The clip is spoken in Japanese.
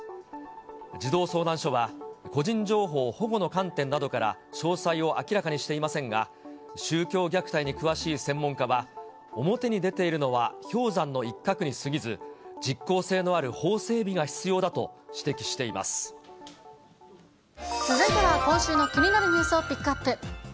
児童相談所は、個人情報保護の観点などから、詳細を明らかにしていませんが、宗教虐待に詳しい専門家は、表に出ているのは氷山の一角にすぎず、実効性のある法整備が必要続いては、今週の気になるニュースをピックアップ。